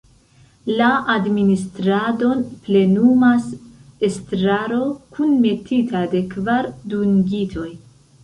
La administradon plenumas estraro kunmetita de kvar dungitoj.